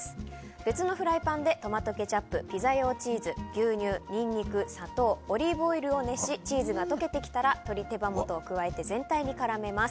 別のフライパンでトマトケチャップ、ピザ用チーズ牛乳、ニンニク、砂糖オリーブオイルを熱しチーズが溶けてきたら鶏手羽元を加えて全体に絡めます。